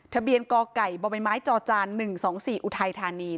ทะเบียนกไก่บไม้จจาน๑๒๔อุทัยธานี